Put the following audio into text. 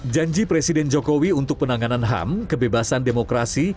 janji presiden jokowi untuk penanganan ham kebebasan demokrasi